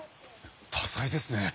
多才ですね。